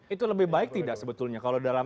itu lebih baik tidak sebetulnya kalau dalam